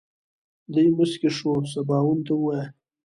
دی موسکی شو سباوون ته ووايه.